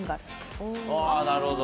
あぁなるほど。